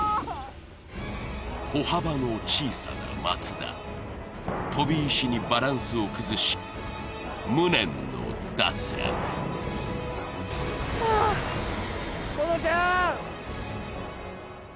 歩幅の小さな松田飛び石にバランスを崩し無念の脱落ああっ好花ちゃん！